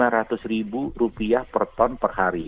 rp lima ratus ribu rupiah per ton per hari